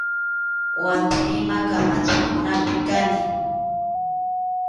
Wata hina kamachinkunapi kani.